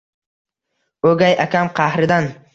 O’gay akam qahridan